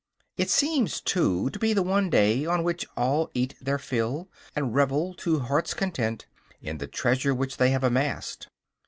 It seems, too, to be the one day on which all eat their fill, and revel, to heart's content, in the treasure which they have amassed.